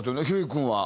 君は。